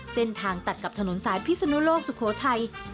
เส้นทางตัดกับถนนสายพิสนโลกสุโขทัย